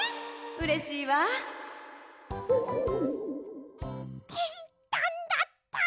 うれしいわ。っていったんだった。